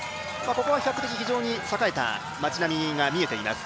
ここは比較的栄えた町並みが見えています。